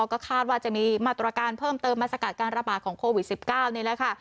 ก็คาดว่าจะมีมาตรการเพิ่มเติมมาสกัดการระบาดของโควิด๑๙นี่แหละค่ะ